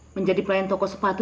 menjadi pelayan toko sepatu